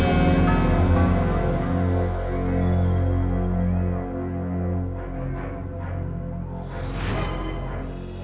dia suka mantan diyor